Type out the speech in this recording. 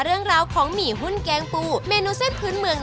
เรื่องราวของหมี่หุ้นแกงปูเมนูเส้นพื้นเมือง